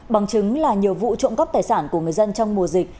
bằng chứng là nhiều vụ trộm cắp tài sản của người dân trong mùa dịch